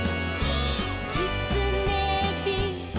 「きつねび」「」